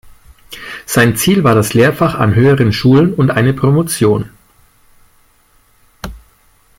Sein Ziel war das Lehrfach an Höheren Schulen und eine Promotion.